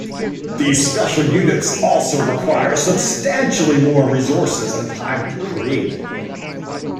These special units also require substantially more resources and time to create.